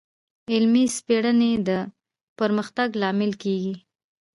علمي سپړنې د پرمختګ لامل کېږي.